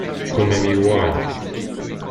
Come mi vuoi